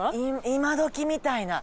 今どきみたいな。